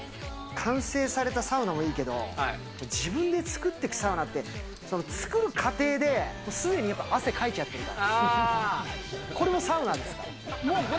完成されたサウナもいいけど、自分で作ってくサウナって、その作る過程で、すでに汗かいちゃってるから。